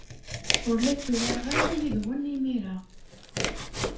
Ur la tturareɣ ara yid-wen imir-a.